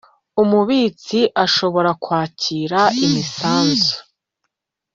Umubitsi ashobora kwakira imisanzu